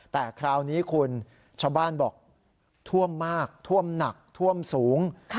แต่คราวนี้คุณชาวบ้านบอกท่วมมากท่วมหนักท่วมสูง